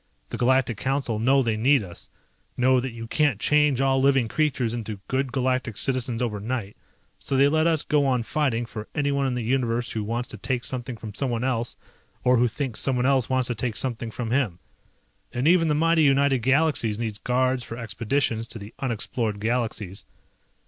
The Galactic Council know they need us, know that you can't change all living creatures into good Galactic citizens overnight, so they let us go on fighting for anyone in the Universe who wants to take something from someone else, or who thinks someone else wants to take something from him. And even the mighty United Galaxies needs guards for expeditions to the unexplored galaxies.